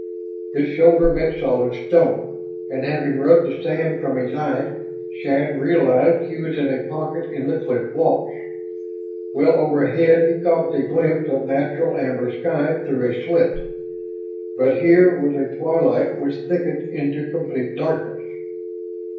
His shoulder met solid stone, and having rubbed the sand from his eyes, Shann realized he was in a pocket in the cliff walls. Well overhead he caught a glimpse of natural amber sky through a slit, but here was a twilight which thickened into complete darkness.